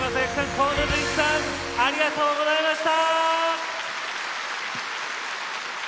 河野純喜さんありがとうございました。